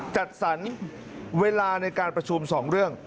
จัดสรรเวลาในการประชุม๒เรื่อง